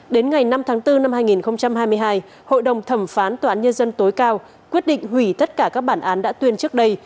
đến ngày năm tháng bốn năm hai nghìn hai mươi hai hội đồng thẩm phán tòa án nhân dân tối cao quyết định hủy tất cả các bản án đã tuyên trước đây